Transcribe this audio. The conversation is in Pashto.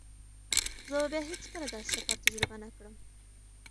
زه به بیا هیڅکله داسې سفر تجربه نه کړم.